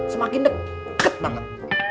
semakin deket banget